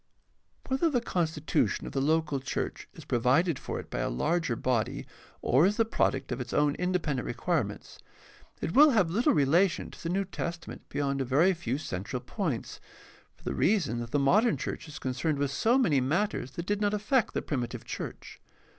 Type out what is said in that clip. — Whether the constitution of the local church is provided for it by a larger body or is the product of its own independent requirements, it will have little relation to the New Testament beyond a very few central points, for the reason that the modern church is concerned with so many matters that did not affect the primitive church.